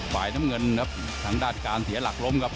ฝ่ายน้ำเงินครับทางด้านการเสียหลักล้มครับ